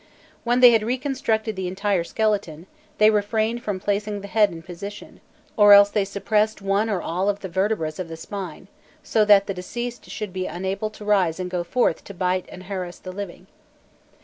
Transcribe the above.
When they had reconstructed the entire skeleton, they refrained from placing the head in position, or else they suppressed one or all of the vertebras of the spine, so that the deceased should be unable to rise and go forth to bite and harass the living.